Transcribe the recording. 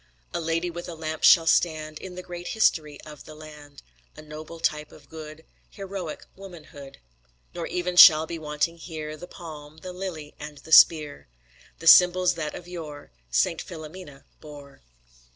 A Lady with a Lamp shall stand, In the great history of the land, A noble type of good, Heroic womanhood. Nor even shall be wanting here The palm, the lily and the spear The symbols that of yore Saint Filomena[C] bore.